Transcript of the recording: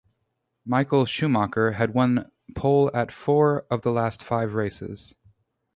Michael Schumacher had won pole at four of the last five races.